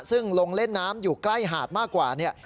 ซึ่งลงเล่นน้ำอยู่ใกล้หาดมากกว่าเนี่ย